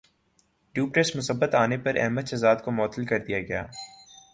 dope test مثبت انے پر احمد شہزاد کومعطل کردیاگیا